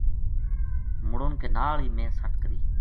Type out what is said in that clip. مُڑن کے نال ہی میں سٹ کری